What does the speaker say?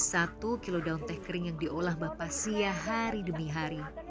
satu kilo daun teh kering yang diolah mbak pasia hari demi hari